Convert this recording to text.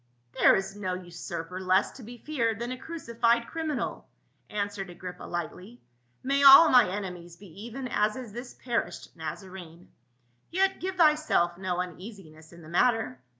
" There is no usurper less to be feared than a cruci fied criminal," answered Agrippa lightly. " May all my enemies be even as is this perished Nazarene ; yet give thyself no uneasiness in the matter.